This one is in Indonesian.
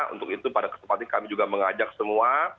untuk itu pada kesempatan ini kami juga mengajak semua